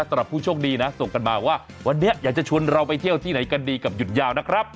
สำหรับผู้โชคดีนะส่งกันมาว่าวันนี้อยากจะชวนเราไปเที่ยวที่ไหนกันดีกับหยุดยาวนะครับ